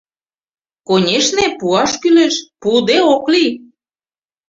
Конешне, пуаш кӱлеш, пуыде ок лий!